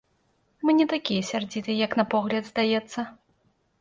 Мы не такія сярдзітыя, як на погляд здаецца.